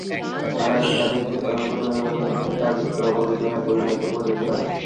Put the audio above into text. আর আমি তাদেরকে তরঙ্গ-তাড়িত আবর্জনায় পরিণত করে দিলাম।